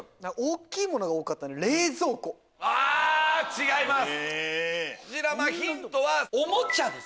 違います。